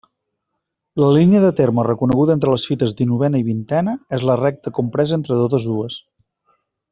La línia de terme reconeguda entre les fites dinovena i vintena és la recta compresa entre totes dues.